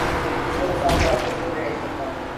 دوسروں کے ساتھ رابطے سے پرہیز کرتا ہوں